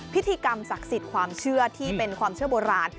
พิธีกรรมศักดิ์สิทธิ์ความเชื่อที่เป็นความเชื่อโบราณ